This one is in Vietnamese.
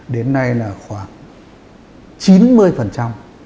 đến nay là khoảng chín mươi